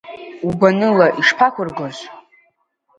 Угәаныла ишԥақәыргоз?